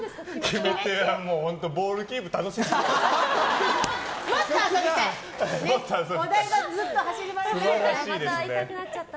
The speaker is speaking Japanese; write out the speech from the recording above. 決め手はボールキープ楽しかった。